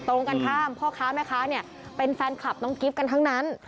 ตรงกันข้ามพ่อค้าแม่ค้าเนี่ยเป็นแฟนคลับน้องกิฟต์กันทั้งนั้น